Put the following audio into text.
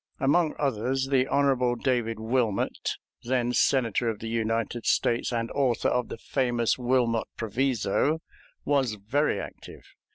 Among others, the Hon. David Wilmot, then Senator of the United States and author of the famous Wilmot proviso, was very active.